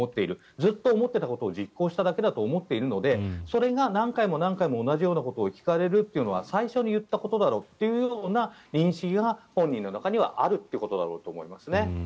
ずっと思っていたことを実行しただけだと思っているのでそれが何回も何回も同じようなことを聞かれるというのは最初に言ったことだろうというような認識が本人の中にあることだろうと思いますね。